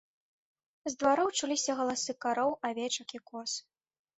З двароў чуліся галасы кароў, авечак і коз.